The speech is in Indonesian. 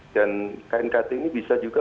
dan knkt ini bisa juga